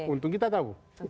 untung kita tahu